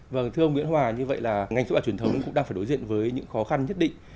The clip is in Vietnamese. vâng thưa ông nguyễn hòa như vậy là ngành sữa học truyền thống cũng đang phải đối diện với những khó khăn nhất định